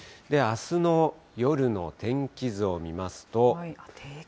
あすの夜の天気図を見ますと。